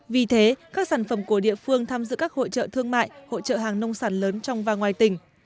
vì thế các sản phẩm của địa phương tham dự các hội trợ thương mại hội trợ hàng nông sản lớn trong và ngoài tỉnh